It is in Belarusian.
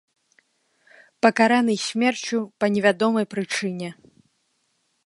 Пакараны смерцю па невядомай прычыне.